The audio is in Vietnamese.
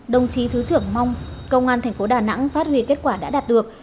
đồng chí thứ trưởng mong công an tp đà nẵng phát huy kết quả đã đạt được